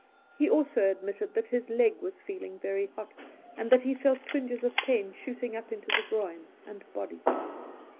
He also admitted that his leg was feel ing very hot, and that he felt twinges of pain shooting up into the groin and body.